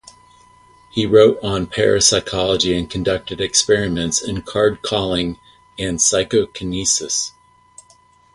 He wrote on parapsychology and conducted experiments in card-calling and psychokinesis.